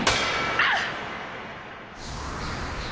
あっ！